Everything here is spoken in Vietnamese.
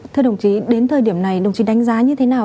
thưa đồng chí đến thời điểm này đồng chí đánh giá như thế nào